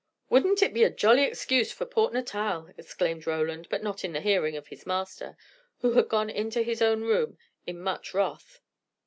"Wouldn't it be a jolly excuse for Port Natal!" exclaimed Roland, but not in the hearing of his master, who had gone into his own room in much wrath.